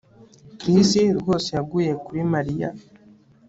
Chris rwose yaguye kuri Mariya